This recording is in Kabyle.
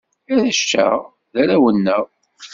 Arrac-a, d arraw-nneɣ.